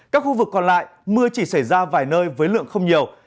các khu vực còn lại mưa chỉ xảy ra vài nơi với lượng không nhiều